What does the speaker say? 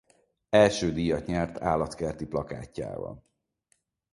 Első díjat nyert állatkerti plakátjával.